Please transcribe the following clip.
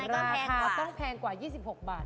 ราคาต้องแพงกว่า๒๖บาท